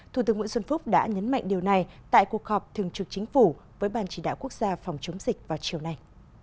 thủ tướng nguyễn xuân phúc đã nhấn mạnh điều này tại cuộc họp thường trực chính phủ với ban chỉ đạo quốc gia phòng chống dịch vào chiều nay